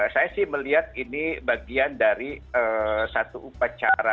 saya sih melihat ini bagian dari satu upacara